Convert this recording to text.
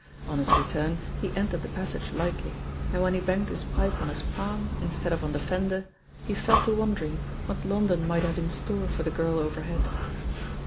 On his return he entered the passage lightly, and when he banged his pipe on his palm, instead of on the fender, he fell to won dering what London might have in store for the girl overhead.